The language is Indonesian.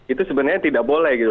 itu sebenarnya tidak boleh gitu